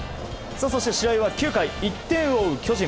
そして試合は９回１点を追う巨人。